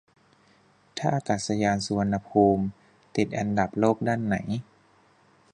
ท่าอากาศยานสุวรรณภูมิติดอันดับโลกด้านไหน